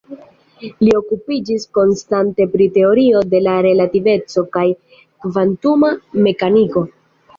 Li okupiĝis konstante pri Teorio de la relativeco kaj kvantuma mekaniko.